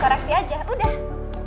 koraksi aja udah